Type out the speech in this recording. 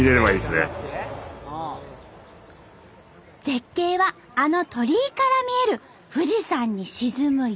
絶景はあの鳥居から見える富士山に沈む夕日。